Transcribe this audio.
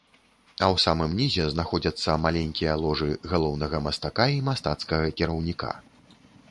А ў самым нізе знаходзяцца маленькія ложы галоўнага мастака і мастацкага кіраўніка.